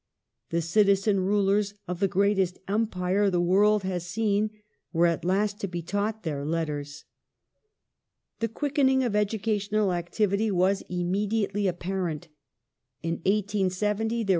The citizen rulers of the greatest empire the world has seen were at last to be taught their letters. The quickening of educational activity was immedi ^ The ballot was applied in the first instance only to London.